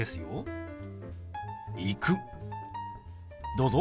どうぞ。